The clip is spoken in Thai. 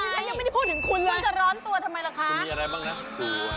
ถ้ายังไม่ได้พูดถึงคุณเลยคุณจะร้อนตัวทำไมล่ะคะมีอะไรบ้างนะ